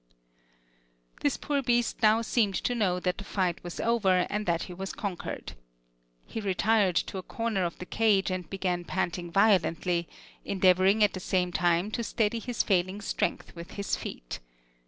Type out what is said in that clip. This poor beast now seemed to know that the fight was over and that he was conquered. He retired to a corner of the cage and began panting violently, endeavoring at the same time to steady his failing strength with his feet.